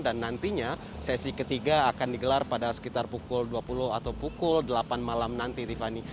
dan nantinya sesi ketiga akan digelar pada sekitar pukul dua puluh atau pukul delapan malam nanti tiffany